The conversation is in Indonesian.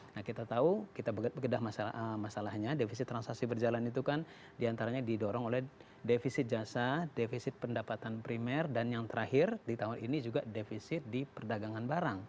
nah kita tahu kita bedah masalahnya defisit transaksi berjalan itu kan diantaranya didorong oleh defisit jasa defisit pendapatan primer dan yang terakhir di tahun ini juga defisit di perdagangan barang